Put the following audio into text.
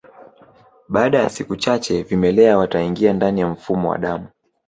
Baada ya siku chache vimelea wataingia ndani ya mfumo wa damu